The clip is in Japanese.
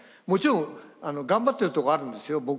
もちろん頑張っているとこがあるんですよ。